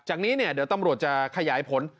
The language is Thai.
จากนี้เนี่ยเดี๋ยวตำรวจจะขยายผล